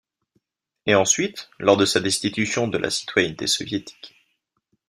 Et ensuite, lors de sa destitution de la citoyenneté soviétique.